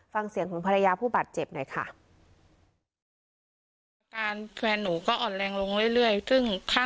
ฟังเสียงของภรรยาผู้บาดเจ็บหน่อยค่ะ